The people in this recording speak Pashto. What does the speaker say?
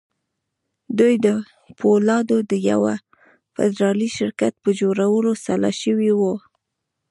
دوی د پولادو د يوه فدرالي شرکت پر جوړولو سلا شوي وو.